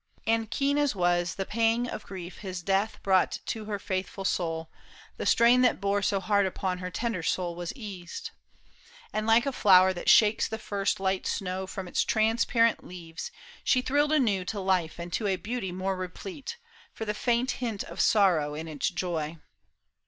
And keen as was the pang of grief his death Brought to her faithful soul, the strain that bore So hard upon her tender soul was eased; 58 PAUL I SHAM. And like a flower that shakes the first light snow From its transparent leaves, she thrilled anew To life and to a beauty more replete For the faint hint of sorrow in its joy.